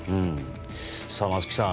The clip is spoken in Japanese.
松木さん。